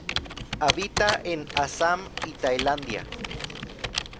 Habita en Assam y Tailandia.